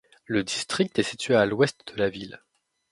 Le district est situé à l'ouest de la ville.